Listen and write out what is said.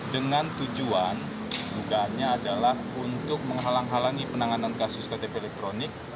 dengan tujuan dugaannya adalah untuk menghalang halangi penanganan kasus ktp elektronik